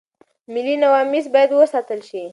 ملي نواميس بايد وساتل شي.